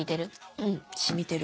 うん染みてる。